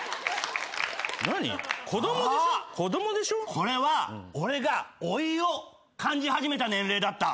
これは俺が老いを感じ始めた年齢だった。